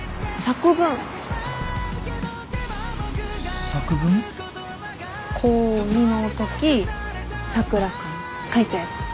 高２のとき佐倉君書いたやつ。